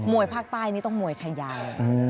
วยภาคใต้นี่ต้องมวยชายา